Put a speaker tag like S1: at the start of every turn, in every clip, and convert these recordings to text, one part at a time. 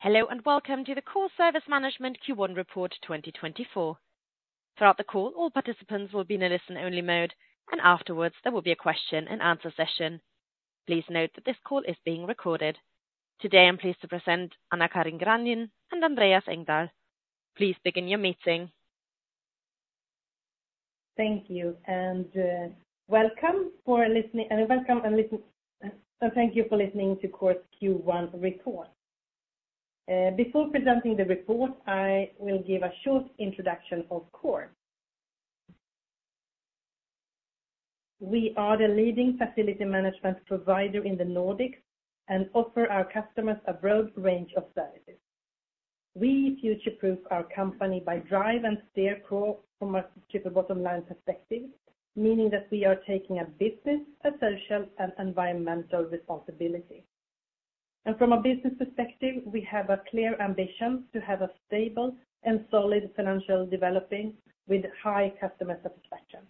S1: Hello and welcome to the Coor Service Management Q1 report 2024. Throughout the call, all participants will be in a listen-only mode, and afterwards there will be a question-and-answer session. Please note that this call is being recorded. Today I'm pleased to present AnnaCarin Grandin and Andreas Engdahl. Please begin your meeting.
S2: Thank you, and welcome to the Coor Q1 report. Before presenting the report, I will give a short introduction of Coor. We are the leading facility management provider in the Nordics and offer our customers a broad range of services. We future-proof our company by driving and steering from a triple bottom line perspective, meaning that we are taking a business, a social, and environmental responsibility. From a business perspective, we have a clear ambition to have a stable and solid financial development with high customer satisfaction.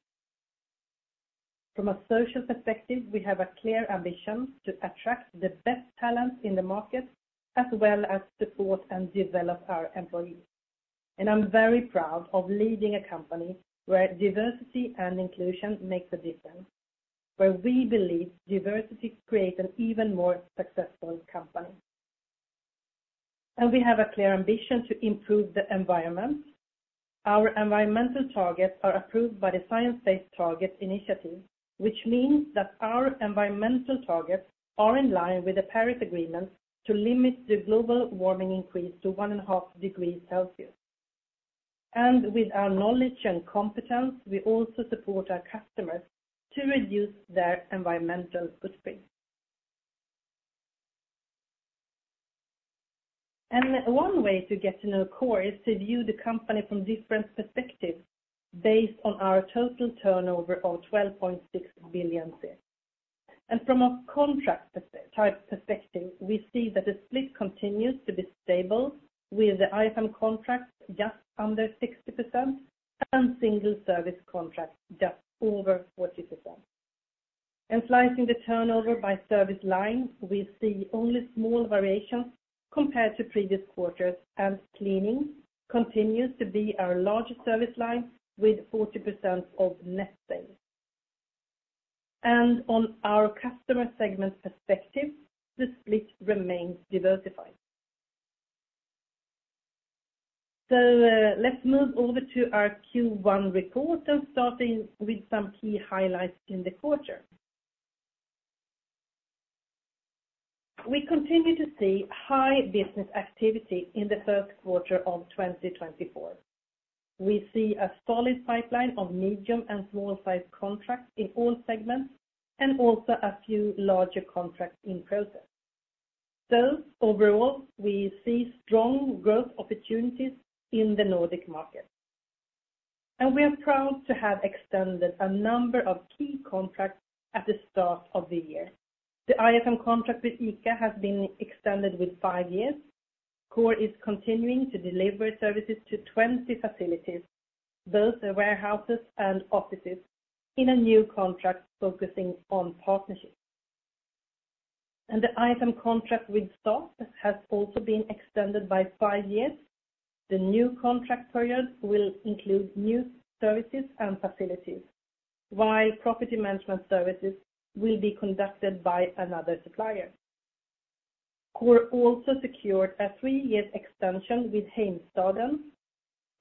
S2: From a social perspective, we have a clear ambition to attract the best talent in the market as well as support and develop our employees. I'm very proud of leading a company where diversity and inclusion make the difference, where we believe diversity creates an even more successful company. We have a clear ambition to improve the environment. Our environmental targets are approved by the Science Based Targets initiative, which means that our environmental targets are in line with the Paris Agreement to limit the global warming increase to 1.5 degrees Celsius. With our knowledge and competence, we also support our customers to reduce their environmental footprint. One way to get to know Coor is to view the company from different perspectives based on our total turnover of 12.6 billion. From a contract type perspective, we see that the split continues to be stable with the IFM contract just under 60% and single service contract just over 40%. Slicing the turnover by service line, we see only small variations compared to previous quarters, and cleaning continues to be our largest service line with 40% of net sales. On our customer segment perspective, the split remains diversified. So let's move over to our Q1 report and starting with some key highlights in the quarter. We continue to see high business activity in the first quarter of 2024. We see a solid pipeline of medium and small-sized contracts in all segments and also a few larger contracts in process. So overall, we see strong growth opportunities in the Nordic market. And we are proud to have extended a number of key contracts at the start of the year. The IFM contract with ICA has been extended with five years. Coor is continuing to deliver services to 20 facilities, both warehouses and offices, in a new contract focusing on partnerships. And the IFM contract with Saab has also been extended by five years. The new contract period will include new services and facilities, while property management services will be conducted by another supplier. Coor also secured a three-year extension with Heimstaden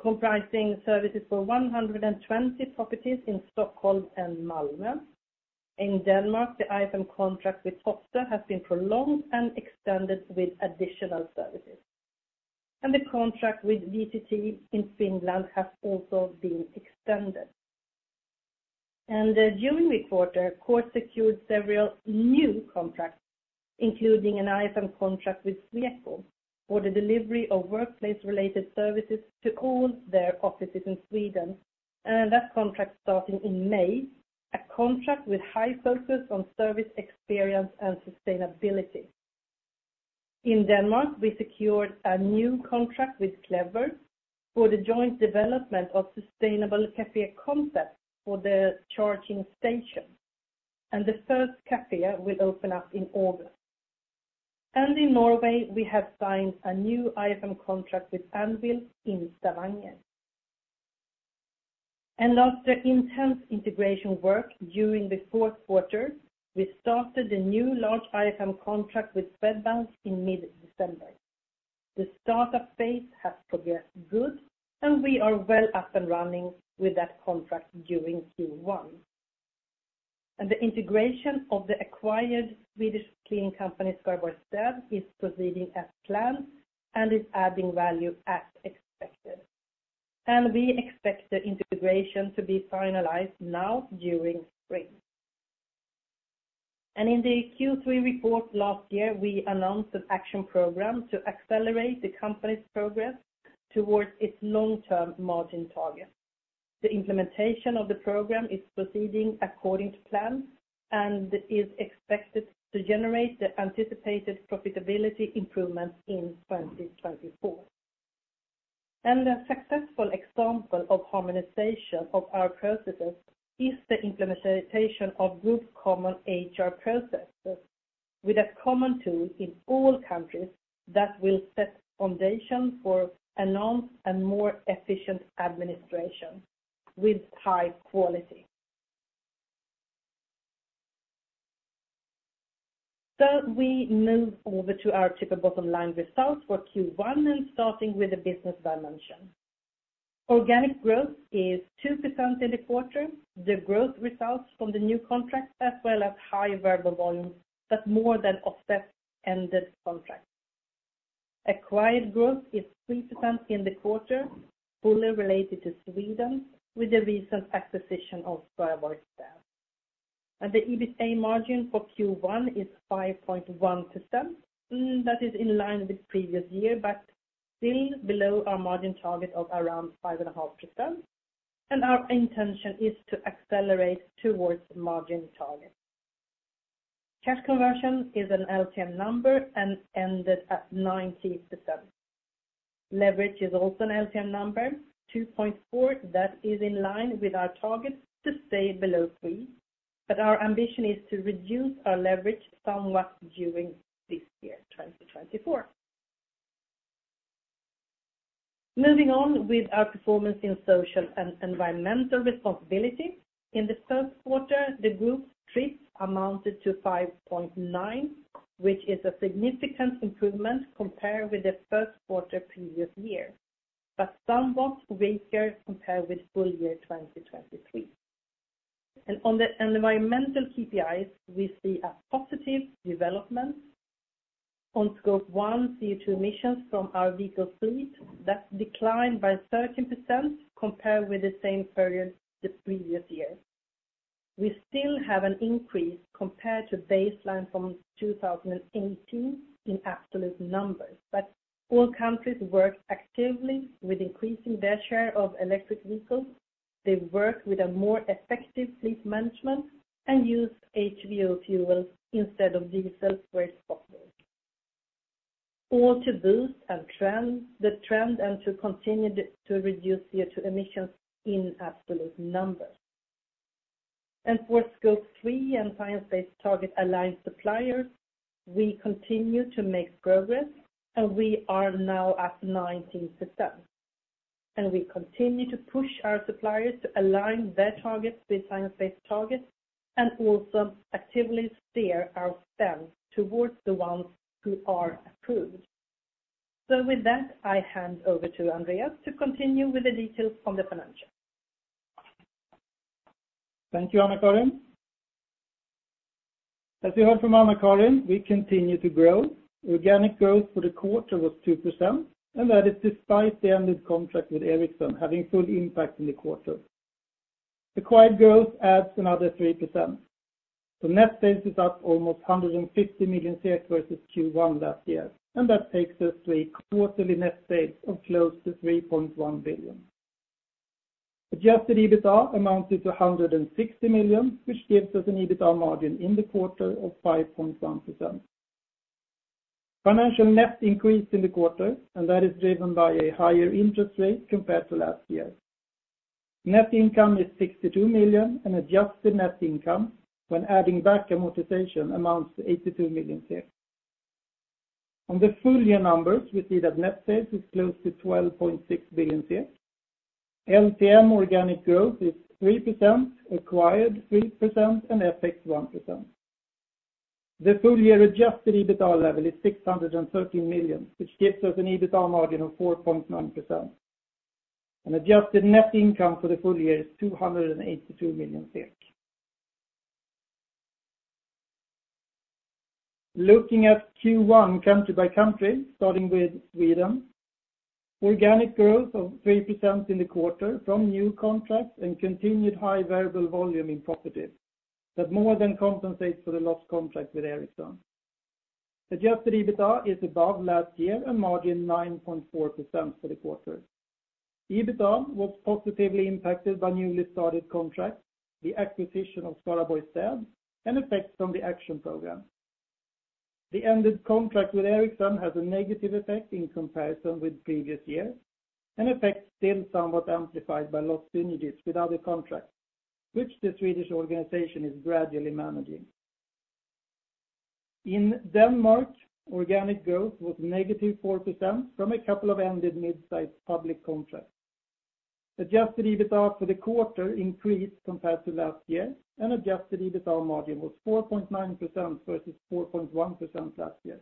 S2: comprising services for 120 properties in Stockholm and Malmö. In Denmark, the IFM contract with Topsoe has been prolonged and extended with additional services. The contract with VTT in Finland has also been extended. During the quarter, Coor secured several new contracts, including an IFM contract with Sweco for the delivery of workplace-related services to all their offices in Sweden, and that contract starting in May, a contract with high focus on service experience and sustainability. In Denmark, we secured a new contract with Clever for the joint development of sustainable café concepts for the charging station, and the first café will open up in August. In Norway, we have signed a new IFM contract with Aibel in Stavanger. After intense integration work during the fourth quarter, we started the new large IFM contract with Swedbank in mid-December. The startup phase has progressed good, and we are well up and running with that contract during Q1. The integration of the acquired Swedish cleaning company Skaraborgs Städ is proceeding as planned and is adding value as expected. We expect the integration to be finalized now during spring. In the Q3 report last year, we announced an action program to accelerate the company's progress towards its long-term margin target. The implementation of the program is proceeding according to plan and is expected to generate the anticipated profitability improvements in 2024. A successful example of harmonization of our processes is the implementation of group common HR processes with a common tool in all countries that will set the foundation for enhanced and more efficient administration with high quality. So we move over to our triple bottom line results for Q1 and starting with the business dimension. Organic growth is 2% in the quarter. The growth results from the new contract as well as high variable volumes that more than offset ended contracts. Acquired growth is 3% in the quarter, fully related to Sweden with the recent acquisition of Skaraborgs Städ. And the EBITDA margin for Q1 is 5.1%. That is in line with previous year but still below our margin target of around 5.5%, and our intention is to accelerate towards margin targets. Cash conversion is an LTM number and ended at 90%. Leverage is also an LTM number, 2.4%. That is in line with our target to stay below three, but our ambition is to reduce our leverage somewhat during this year, 2024. Moving on with our performance in social and environmental responsibility. In the first quarter, the group's TRIF amounted to 5.9%, which is a significant improvement compared with the first quarter previous year but somewhat weaker compared with full year 2023. On the environmental KPIs, we see a positive development. On Scope 1, CO2 emissions from our vehicle fleet, that's declined by 13% compared with the same period the previous year. We still have an increase compared to baseline from 2018 in absolute numbers, but all countries work actively with increasing their share of electric vehicles. They work with a more effective fleet management and use HVO fuel instead of diesel where possible. All to boost the trend and to continue to reduce CO2 emissions in absolute numbers. For Scope 3 and science-based target-aligned suppliers, we continue to make progress, and we are now at 19%. We continue to push our suppliers to align their targets with science-based targets and also actively steer our spend towards the ones who are approved. With that, I hand over to Andreas to continue with the details on the financials.
S3: Thank you, AnnaCarin. As you heard from AnnaCarin, we continue to grow. Organic growth for the quarter was 2%, and that is despite the ended contract with Ericsson having full impact in the quarter. Acquired growth adds another 3%. So net sales is up almost 150 million versus Q1 last year, and that takes us to a quarterly net sales of close to 3.1 billion SEK. Adjusted EBITDA amounts to 160 million, which gives us an EBITDA margin in the quarter of 5.1%. Financial net increase in the quarter, and that is driven by a higher interest rate compared to last year. Net income is 62 million, and adjusted net income when adding back amortization amounts to 82 million. On the full year numbers, we see that net sales is close to 12.6 billion SEK. LTM organic growth is 3%, acquired 3%, and FX 1%. The full year adjusted EBITDA level is 613 million, which gives us an EBITDA margin of 4.9%. Adjusted net income for the full year is 282 million SEK. Looking at Q1 country by country, starting with Sweden, organic growth of 3% in the quarter from new contracts and continued high variable volume in property that more than compensates for the lost contract with Ericsson. Adjusted EBITDA is above last year and margin 9.4% for the quarter. EBITDA was positively impacted by newly started contracts, the acquisition of Skaraborgs Städ, and effects from the action program. The ended contract with Ericsson has a negative effect in comparison with previous years, an effect still somewhat amplified by lost units with other contracts, which the Swedish organization is gradually managing. In Denmark, organic growth was -4% from a couple of ended mid-sized public contracts. Adjusted EBITDA for the quarter increased compared to last year, and adjusted EBITDA margin was 4.9% versus 4.1% last year.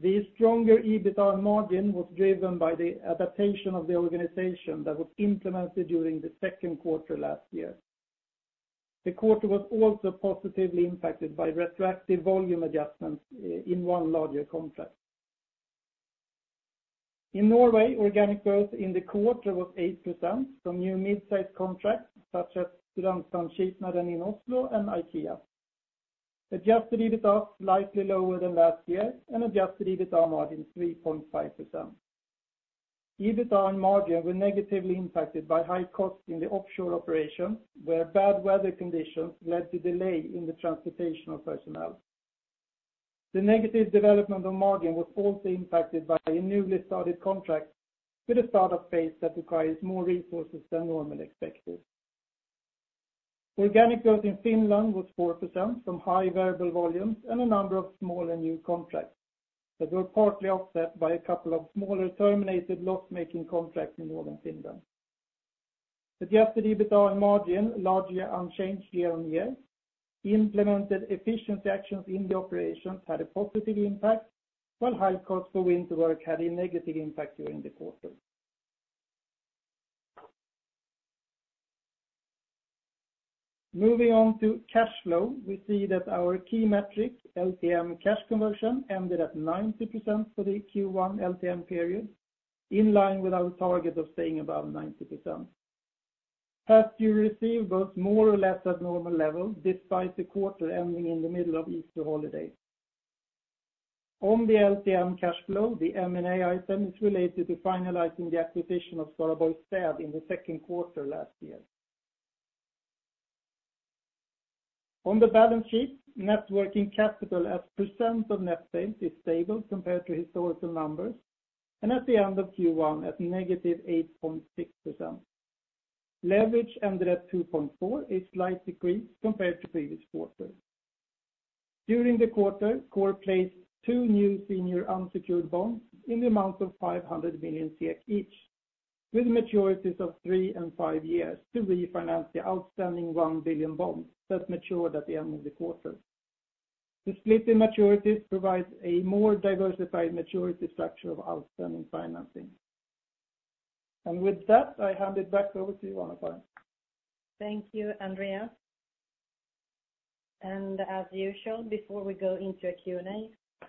S3: The stronger EBITDA margin was driven by the adaptation of the organization that was implemented during the second quarter last year. The quarter was also positively impacted by retroactive volume adjustments in one larger contract. In Norway, organic growth in the quarter was 8% from new mid-sized contracts such as Studentsamskipnaden in Oslo and IKEA. Adjusted EBITDA slightly lower than last year and adjusted EBITDA margin 3.5%. EBITDA and margin were negatively impacted by high cost in the offshore operations where bad weather conditions led to delay in the transportation of personnel. The negative development of margin was also impacted by a newly started contract with a startup phase that requires more resources than normally expected. Organic growth in Finland was 4% from high variable volumes and a number of small and new contracts that were partly offset by a couple of smaller terminated loss-making contracts in northern Finland. Adjusted EBITDA and margin, largely unchanged year-on-year. Implemented efficiency actions in the operations had a positive impact, while high cost for wind to work had a negative impact during the quarter. Moving on to cash flow, we see that our key metric, LTM cash conversion, ended at 90% for the Q1 LTM period, in line with our target of staying above 90%. Past year received was more or less abnormal level despite the quarter ending in the middle of Easter holidays. On the LTM cash flow, the M&A item is related to finalizing the acquisition of Skaraborgs Städ in the second quarter last year. On the balance sheet, net working capital as percent of net sales is stable compared to historical numbers and at the end of Q1 at negative 8.6%. Leverage ended at 2.4%, a slight decrease compared to previous quarters. During the quarter, Coor placed two new senior unsecured bonds in the amount of 500 million SEK each with maturities of three and five years to refinance the outstanding 1 billion bonds that matured at the end of the quarter. The split in maturities provides a more diversified maturity structure of outstanding financing. With that, I hand it back over to you, AnnaCarin.
S2: Thank you, Andreas. As usual, before we go into a Q&A,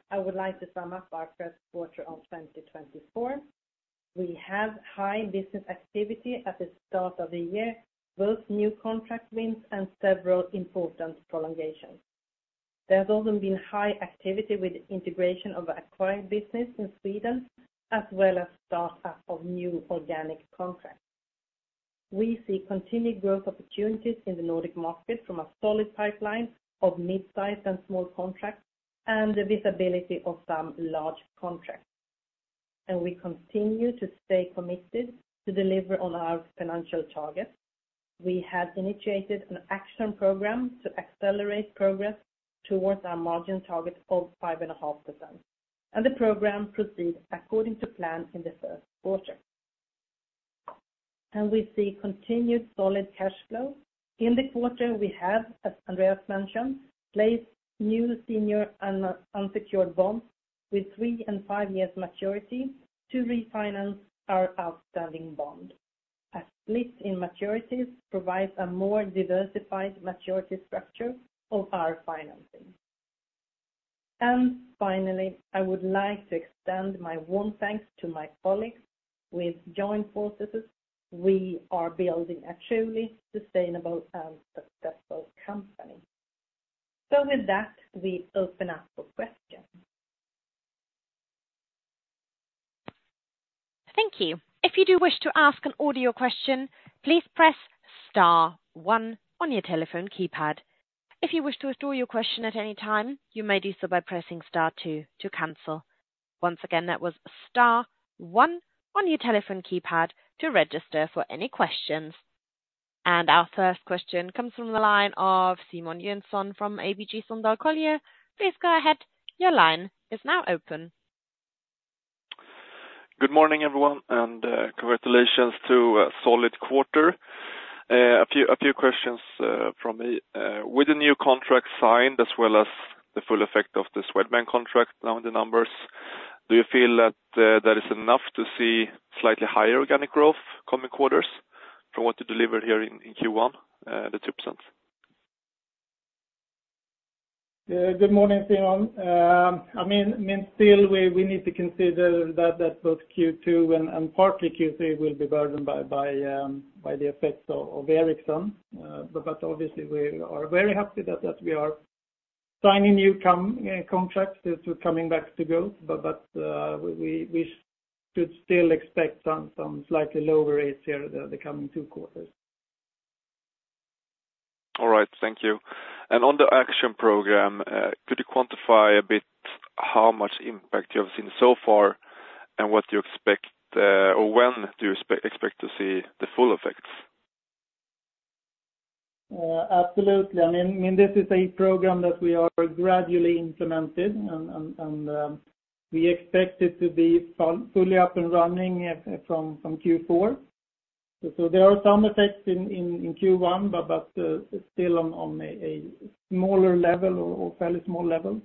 S2: I would like to sum up our first quarter of 2024. We have high business activity at the start of the year, both new contract wins and several important prolongations. There has also been high activity with integration of acquired business in Sweden as well as startup of new organic contracts. We see continued growth opportunities in the Nordic market from a solid pipeline of mid-sized and small contracts and the visibility of some large contracts. We continue to stay committed to deliver on our financial targets. We have initiated an action program to accelerate progress towards our margin target of 5.5%, and the program proceeds according to plan in the first quarter. We see continued solid cash flow. In the quarter, we have, as Andreas mentioned, placed new senior unsecured bonds with three and five years maturity to refinance our outstanding bond. A split in maturities provides a more diversified maturity structure of our financing. And finally, I would like to extend my warm thanks to my colleagues. With joint forces, we are building a truly sustainable and successful company. So with that, we open up for questions.
S1: Thank you. If you do wish to ask an audio question, please press star one on your telephone keypad. If you wish to withdraw your question at any time, you may do so by pressing star two to cancel. Once again, that was star one on your telephone keypad to register for any questions. Our first question comes from the line of Simon Jönsson from ABG Sundal Collier. Please go ahead. Your line is now open.
S4: Good morning, everyone, and congratulations to a solid quarter. A few questions from me. With the new contract signed as well as the full effect of the Swedbank contract now in the numbers, do you feel that that is enough to see slightly higher organic growth coming quarters from what you delivered here in Q1, the 2%?
S3: Good morning, Simon. I mean, still, we need to consider that both Q2 and partly Q3 will be burdened by the effects of Ericsson. But obviously, we are very happy that we are signing new contracts that are coming back to growth, but we should still expect some slightly lower rates here the coming two quarters.
S4: All right. Thank you. On the action program, could you quantify a bit how much impact you have seen so far and what you expect or when do you expect to see the full effects?
S3: Absolutely. I mean, this is a program that we are gradually implementing, and we expect it to be fully up and running from Q4. There are some effects in Q1, but still on a smaller level or fairly small level.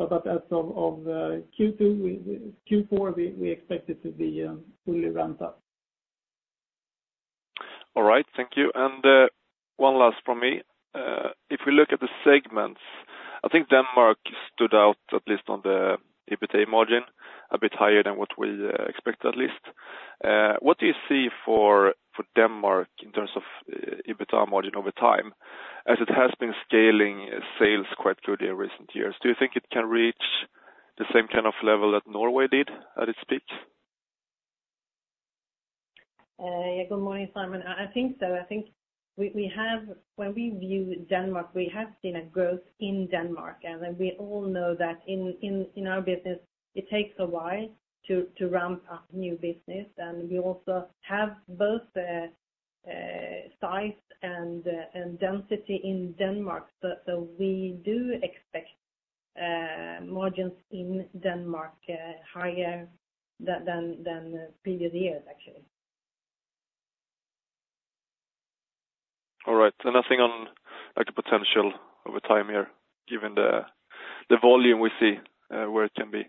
S3: As of Q4, we expect it to be fully ramped up.
S4: All right. Thank you. And one last from me. If we look at the segments, I think Denmark stood out, at least on the EBITDA margin, a bit higher than what we expected, at least. What do you see for Denmark in terms of EBITDA margin over time? As it has been scaling sales quite good in recent years, do you think it can reach the same kind of level that Norway did at its peak?
S2: Yeah. Good morning, Simon. I think so. I think when we view Denmark, we have seen a growth in Denmark, and we all know that in our business, it takes a while to ramp up new business. And we also have both size and density in Denmark, so we do expect margins in Denmark higher than previous years, actually.
S4: All right. So nothing on the potential over time here given the volume we see where it can be?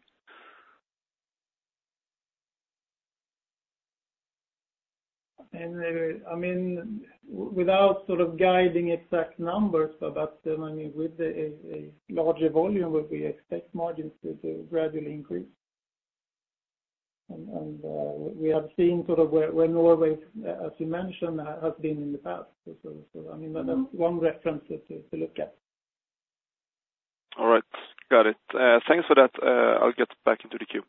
S3: I mean, without sort of guiding exact numbers, but I mean, with a larger volume, we expect margins to gradually increase. And we have seen sort of where Norway, as you mentioned, has been in the past. So I mean, that's one reference to look at.
S4: All right. Got it. Thanks for that. I'll get back into the queue.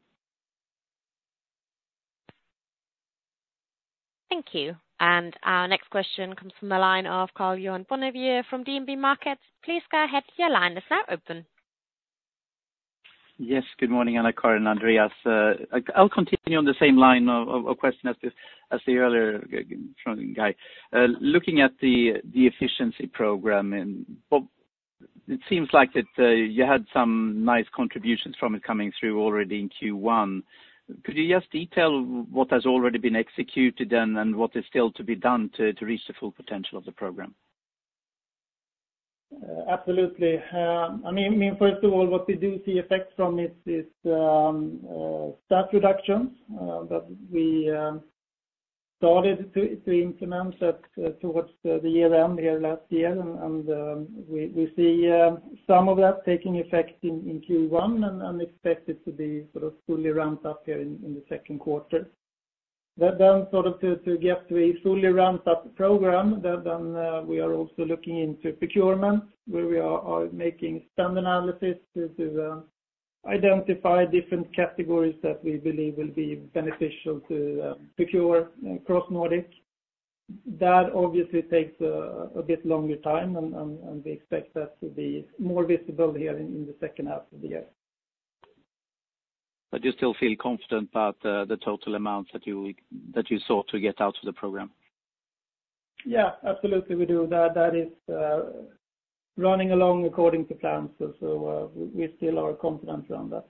S1: Thank you. And our next question comes from the line of Karl-Johan Bonnevier from DNB Markets. Please go ahead. Your line is now open.
S5: Yes. Good morning, AnnaCarin, Andreas. I'll continue on the same line of question as the earlier guy. Looking at the efficiency program, it seems like you had some nice contributions from it coming through already in Q1. Could you just detail what has already been executed and what is still to be done to reach the full potential of the program?
S3: Absolutely. I mean, first of all, what we do see effects from is staff reductions that we started to implement towards the year-end here last year. We see some of that taking effect in Q1 and expect it to be sort of fully ramped up here in the second quarter. Sort of to get to a fully ramped-up program, then we are also looking into procurement where we are making spend analysis to identify different categories that we believe will be beneficial to procure across Nordic. That obviously takes a bit longer time, and we expect that to be more visible here in the second half of the year.
S5: But you still feel confident about the total amounts that you sought to get out of the program?
S3: Yeah. Absolutely, we do. That is running along according to plan, so we still are confident around that.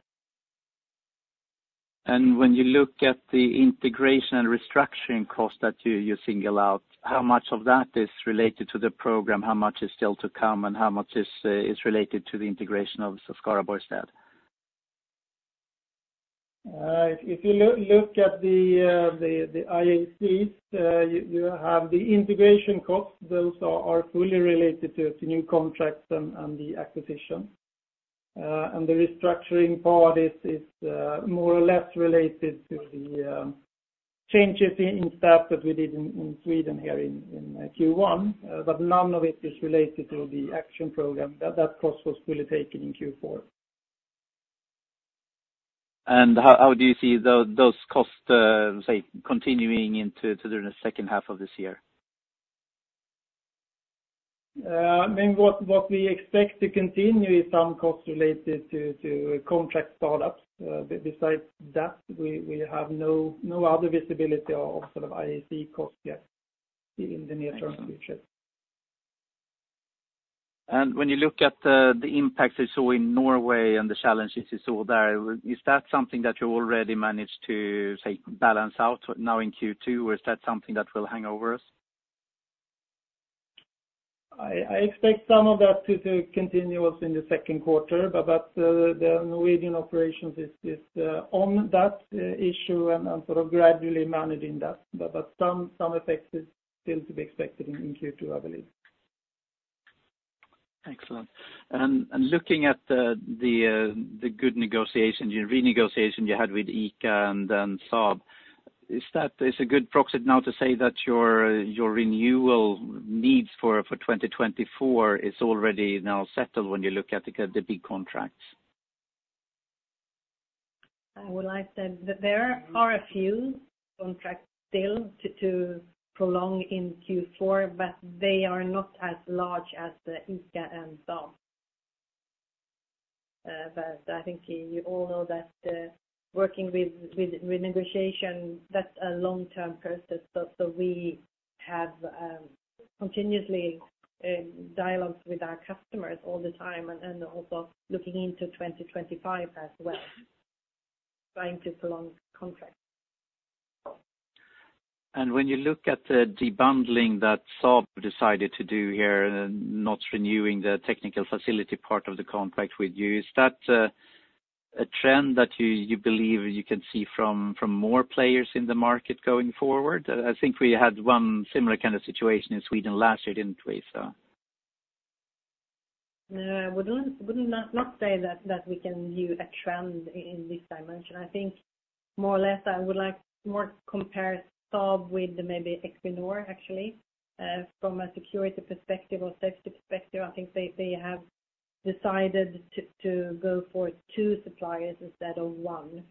S5: When you look at the integration and restructuring cost that you single out, how much of that is related to the program? How much is still to come, and how much is related to the integration of Skaraborgs Städ?
S3: If you look at the IACs, you have the integration costs. Those are fully related to new contracts and the acquisition. The restructuring part is more or less related to the changes in staff that we did in Sweden here in Q1, but none of it is related to the action program. That cost was fully taken in Q4.
S5: How do you see those costs, say, continuing into the second half of this year?
S3: I mean, what we expect to continue is some costs related to contract startups. Besides that, we have no other visibility of sort of IAC costs yet in the near-term future.
S5: When you look at the impacts you saw in Norway and the challenges you saw there, is that something that you already managed to, say, balance out now in Q2, or is that something that will hang over us?
S3: I expect some of that to continue also in the second quarter, but the Norwegian operations is on that issue and sort of gradually managing that. But some effects are still to be expected in Q2, I believe.
S5: Excellent. Looking at the good renegotiation you had with ICA and then Saab, is it a good proxy now to say that your renewal needs for 2024 is already now settled when you look at the big contracts?
S2: I would like to say there are a few contracts still to prolong in Q4, but they are not as large as ICA and Saab. But I think you all know that working with renegotiation, that's a long-term process. So we have continuously dialogues with our customers all the time and also looking into 2025 as well, trying to prolong contracts.
S5: When you look at the debundling that Saab decided to do here and not renewing the technical facility part of the contract with you, is that a trend that you believe you can see from more players in the market going forward? I think we had one similar kind of situation in Sweden last year, didn't we, Saab?
S2: I would not say that we can view a trend in this dimension. I think more or less, I would like more to compare Saab with maybe Equinor, actually. From a security perspective or safety perspective, I think they have decided to go for two suppliers instead of one.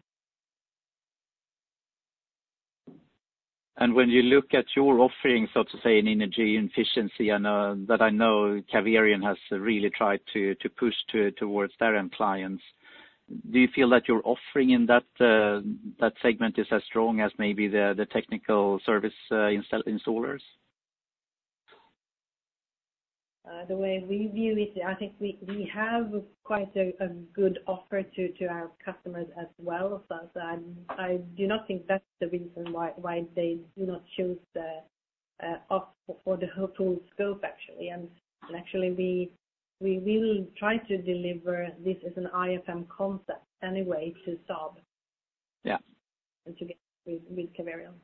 S5: When you look at your offering, so to say, in energy efficiency, that I know Caverion has really tried to push towards their end clients, do you feel that your offering in that segment is as strong as maybe the technical service installers?
S2: The way we view it, I think we have quite a good offer to our customers as well. I do not think that's the reason why they do not choose us for the full scope, actually. Actually, we will try to deliver this as an IFM concept anyway to Saab and together with Caverion.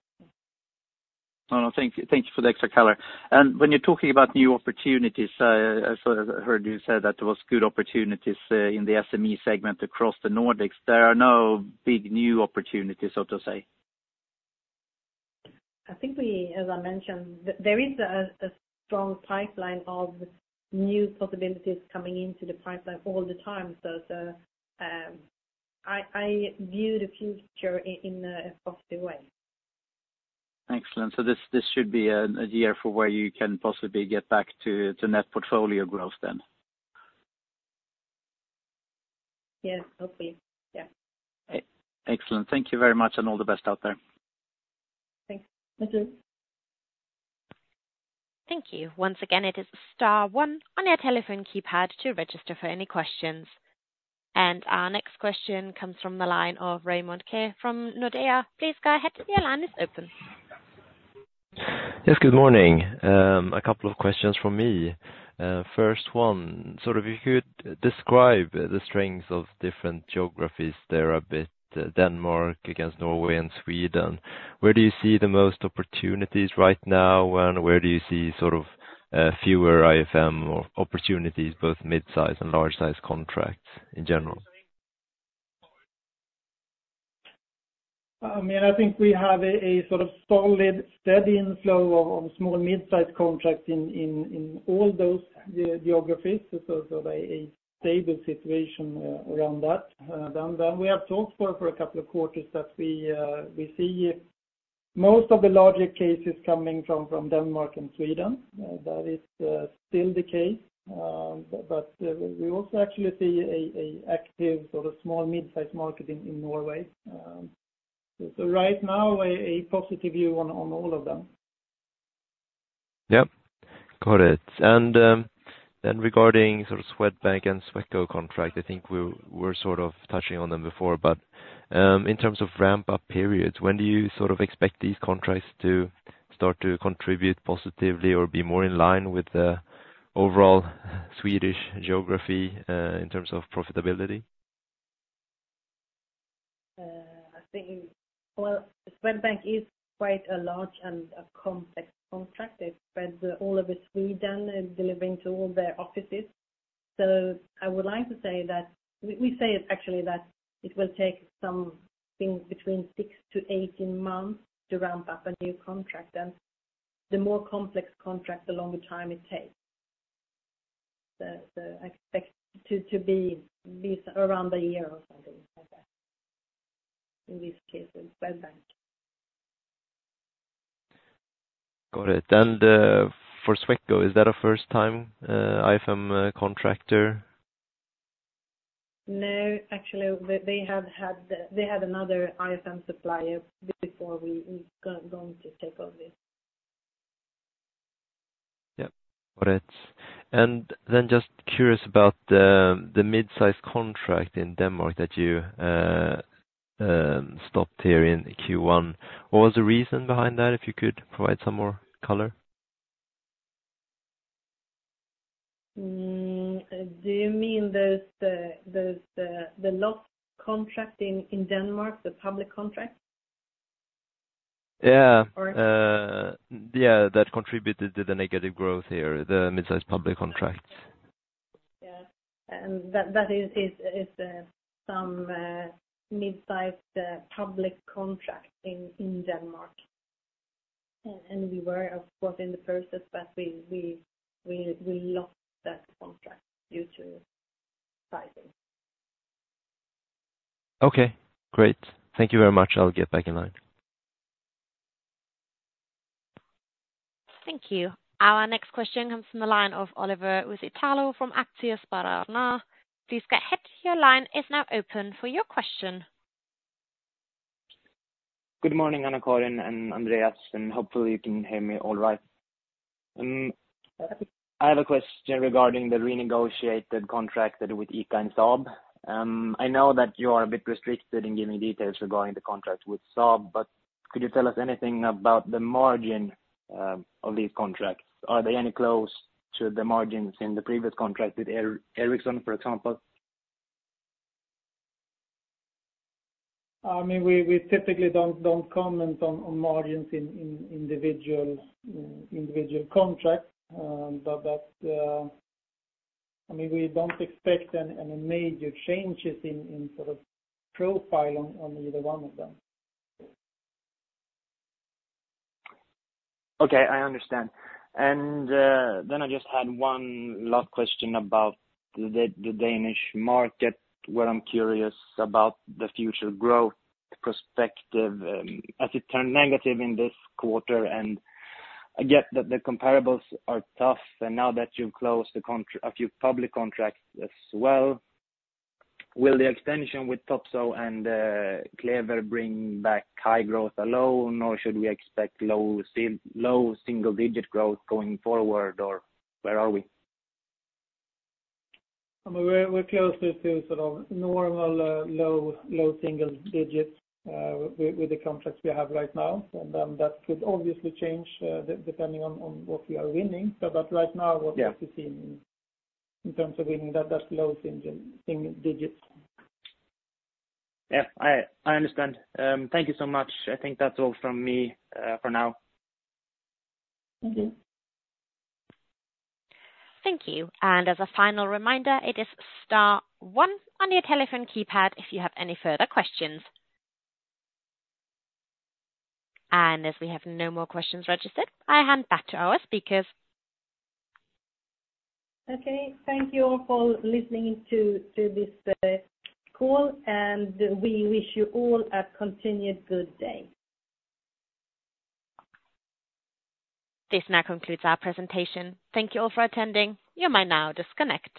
S5: No, no. Thank you for the extra color. When you're talking about new opportunities, I heard you said that there were good opportunities in the SME segment across the Nordics. There are no big new opportunities, so to say?
S2: I think we, as I mentioned, there is a strong pipeline of new possibilities coming into the pipeline all the time. So I view the future in a positive way.
S5: Excellent. So this should be a year for where you can possibly get back to net portfolio growth then.
S2: Yes, hopefully. Yeah.
S5: Excellent. Thank you very much, and all the best out there.
S2: Thanks. You too.
S1: Thank you. Once again, it is star one on your telephone keypad to register for any questions. Our next question comes from the line of Raymond Ke from Nordea. Please go ahead. Your line is open.
S6: Yes. Good morning. A couple of questions from me. First one, sort of if you could describe the strengths of different geographies there a bit, Denmark against Norway and Sweden, where do you see the most opportunities right now, and where do you see sort of fewer IFM opportunities, both midsize and large-size contracts in general?
S3: I mean, I think we have a sort of solid, steady inflow of small, midsize contracts in all those geographies, so a stable situation around that. Then we have talked for a couple of quarters that we see most of the larger cases coming from Denmark and Sweden. That is still the case. But we also actually see an active sort of small, midsize market in Norway. So right now, a positive view on all of them.
S6: Yep. Got it. And then regarding sort of Swedbank and Sweco contracts, I think we were sort of touching on them before. But in terms of ramp-up periods, when do you sort of expect these contracts to start to contribute positively or be more in line with the overall Swedish geography in terms of profitability?
S2: Well, Swedbank is quite a large and a complex contract. It spreads all over Sweden, delivering to all their offices. So I would like to say that we say, actually, that it will take something between 6-18 months to ramp up a new contract. And the more complex contract, the longer time it takes. So I expect to be around a year or something like that in this case, with Swedbank.
S6: Got it. And for Sweco, is that a first-time IFM contractor?
S2: No, actually. They had another IFM supplier before we were going to take over.
S6: Yep. Got it. And then just curious about the midsize contract in Denmark that you stopped here in Q1. What was the reason behind that, if you could provide some more color?
S2: Do you mean the lost contract in Denmark, the public contract?
S6: Yeah. Yeah. That contributed to the negative growth here, the midsize public contracts.
S2: Yeah. That is some midsize public contract in Denmark. We were, of course, in the process, but we lost that contract due to pricing.
S6: Okay. Great. Thank you very much. I'll get back in line.
S1: Thank you. Our next question comes from the line of Oliver Uusitalo from Aktiespararna. Please go ahead. Your line is now open for your question.
S7: Good morning, AnnaCarin and Andreas. Hopefully, you can hear me all right. I have a question regarding the renegotiated contract with ICA and Saab. I know that you are a bit restricted in giving details regarding the contract with Saab, but could you tell us anything about the margin of these contracts? Are they any close to the margins in the previous contract with Ericsson, for example?
S3: I mean, we typically don't comment on margins in individual contracts. But I mean, we don't expect any major changes in sort of profile on either one of them.
S7: Okay. I understand. Then I just had one last question about the Danish market where I'm curious about the future growth perspective. Has it turned negative in this quarter? And I get that the comparables are tough. And now that you've closed a few public contracts as well, will the extension with Topsoe and Clever bring back high growth alone, or should we expect low single-digit growth going forward, or where are we?
S3: I mean, we're closer to sort of normal low single digits with the contracts we have right now. That could obviously change depending on what we are winning. But right now, what we've seen in terms of winning, that's low single digits.
S7: Yeah. I understand. Thank you so much. I think that's all from me for now.
S3: Thank you.
S1: Thank you. As a final reminder, it is star one on your telephone keypad if you have any further questions. As we have no more questions registered, I hand back to our speakers.
S2: Okay. Thank you all for listening to this call. We wish you all a continued good day.
S1: This now concludes our presentation. Thank you all for attending. You might now disconnect.